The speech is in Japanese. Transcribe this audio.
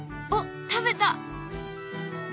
おっ食べた。